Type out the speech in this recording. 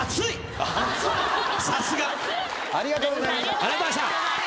さすが！ありがとうございました。